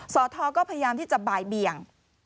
สทก็พยายามที่จะบ่ายเบี่ยง